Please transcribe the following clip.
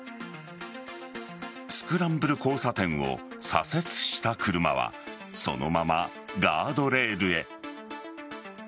スクランブル交差点を左折した車はそのままガードレールへ。